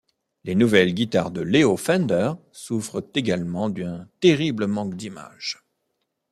Les nouvelles guitares de Léo Fender souffrent également d'un terrible manque d'image.